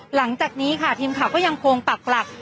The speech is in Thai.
หลังจากนี้ค่ะทีมข่าวก็ยังคงปักหลัก